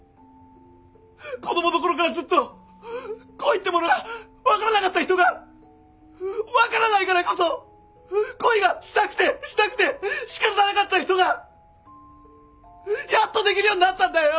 子供のころからずっと恋ってものが分からなかった人が分からないからこそ恋がしたくてしたくてしかたがなかった人がやっとできるようになったんだよ？